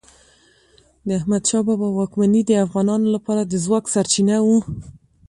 د احمد شاه بابا واکمني د افغانانو لپاره د ځواک سرچینه وه.